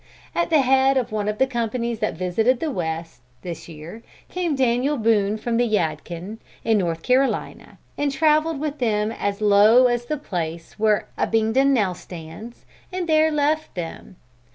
At the head of one of the companies that visited the West, this year, came Daniel Boone from the Yadkin, in North Carolina, and travelled with them as low as the place where Abingdon now stands, and there left them."